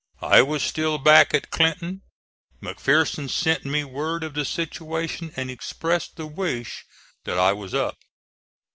I was still back at Clinton. McPherson sent me word of the situation, and expressed the wish that I was up.